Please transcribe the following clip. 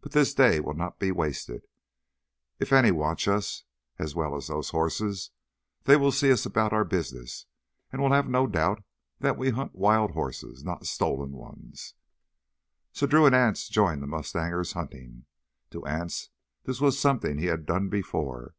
"But this day will not be wasted. If any watch us—as well as those horses—they will see us about our business and will have no doubt that we hunt wild horses, not stolen ones." So Drew and Anse joined the mustangers' hunting. To Anse this was something he had done before.